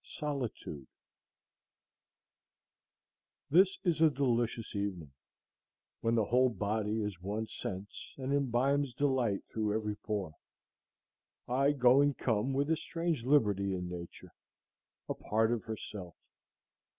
Solitude This is a delicious evening, when the whole body is one sense, and imbibes delight through every pore. I go and come with a strange liberty in Nature, a part of herself.